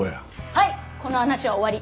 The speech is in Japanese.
はいこの話は終わり。